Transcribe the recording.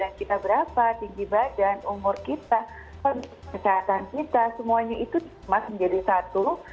jadi kita berapa tinggi badan umur kita kesehatan kita semuanya itu semestinya menjadi satu